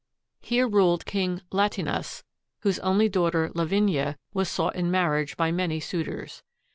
Here ruled King Latinus, whose only daughter Lavinia was sought in marriage by many suitors.